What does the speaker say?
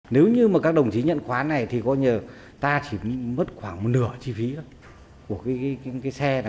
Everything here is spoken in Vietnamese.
nếu như các đồng chí nhận khoán này thì ta chỉ mất khoảng nửa chi phí của cái xe này